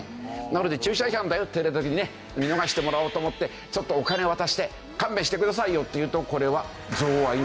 なので駐車違反だよって言われた時にね見逃してもらおうと思ってちょっとお金渡して勘弁してくださいよって言うとこれは贈賄の現行犯。